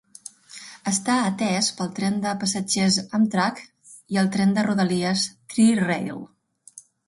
Està atès pel tren de passatgers Amtrak i el tren de rodalies Tri-Rail.